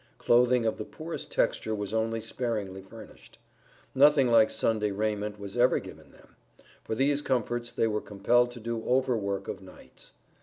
Clothing of the poorest texture was only sparingly furnished. Nothing like Sunday raiment was ever given them; for these comforts they were compelled to do over work of nights.